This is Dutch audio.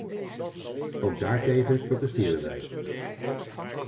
Ook daartegen protesteren wij.